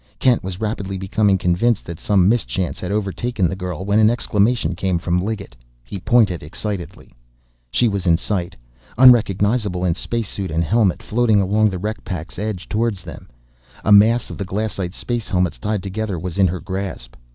Kent was rapidly becoming convinced that some mischance had overtaken the girl when an exclamation came from Liggett. He pointed excitedly. She was in sight, unrecognizable in space suit and helmet, floating along the wreck pack's edge toward them. A mass of the glassite space helmets tied together was in her grasp.